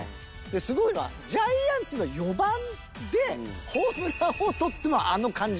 すごいのはジャイアンツの４番でホームラン王をとってもあの感じってすごいですよね。